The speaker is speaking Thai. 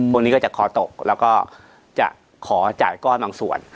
พวกนี้ก็จะคอตกแล้วก็จะขอจ่ายก้อนบางส่วน